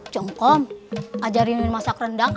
cengkom ajarin masak rendang